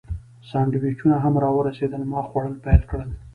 سانډویچونه هم راورسېدل، ما خوړل پیل کړل.